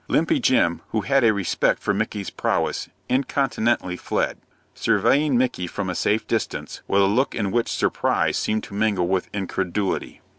Limpy Jim, who had a respect for Micky's prowess, incontinently fled, surveying Micky from a safe distance, with a look in which surprise seemed to mingle with incredulity.